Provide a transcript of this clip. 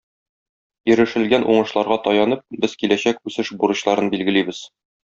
Ирешелгән уңышларга таянып, без киләчәк үсеш бурычларын билгелибез.